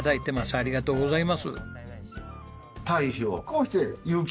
ありがとうございます。